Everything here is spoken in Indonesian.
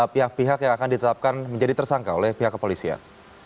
pihak pihak yang akan ditetapkan menjadi tersangka oleh pihak kepolisian